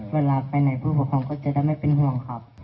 เวลาไปไหนผู้ปกครองก็จะได้ไม่เป็นห่วงครับ